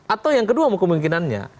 atau yang kedua kemungkinannya